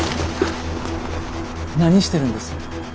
何してるんです？